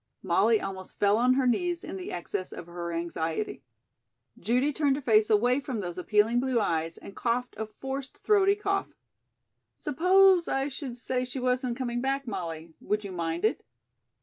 Molly almost fell on her knees in the excess of her anxiety. Judy turned her face away from those appealing blue eyes and coughed a forced throaty cough. "Suppose I should say she wasn't coming back, Molly? Would you mind it?"